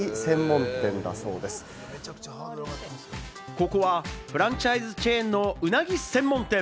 ここはフランチャイズチェーンのウナギ専門店。